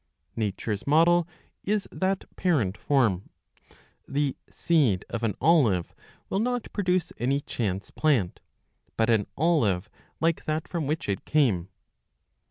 Nature's model is that parent form. The seed of an olive will not produce any chance plant, but an olive like that /from which it came.